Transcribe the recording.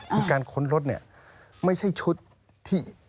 คือการค้นรถเนี่ยไม่ใช่ชุดที่